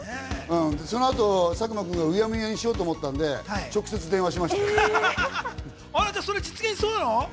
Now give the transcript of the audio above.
その後、佐久間君がうやむやにしようと思ったので、直接電話しま実現しそうなの？